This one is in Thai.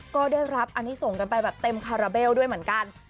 ก็ได้รับอันนี้ส่งกันไปแบบเต็มคาราเบลด้วยเหมือนกัน